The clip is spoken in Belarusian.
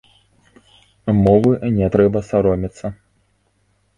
Мовы не трэба саромецца.